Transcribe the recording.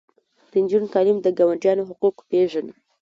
د نجونو تعلیم د ګاونډیانو حقوق پیژني.